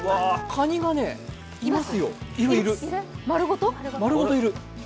カニがね、いますよ、丸ごといる。